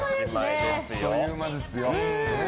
あっという間ですよ。